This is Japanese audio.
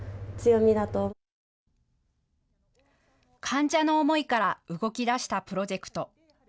患者の思いから動きだしたプロジェクト。